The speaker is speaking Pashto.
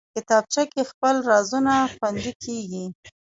کتابچه کې خپل رازونه خوندي کېږي